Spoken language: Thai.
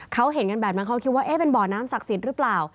เขาเห็นกันแบบนั้นเขาคิดว่าเป็นบ่อน้ำศักดิ์สิทธิ์หรือเปล่า